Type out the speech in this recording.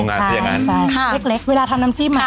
จากอีกสัตว์สิ่งโรงงานที่อย่างนั้นใช่ใช่เล็กเล็กเวลาทำน้ำจิ้มอ่ะ